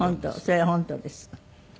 それは本当です。